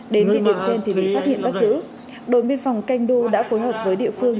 đến liên liệu trên thì bị phát hiện bắt giữ đồn biên phòng canh đu đã phối hợp với địa phương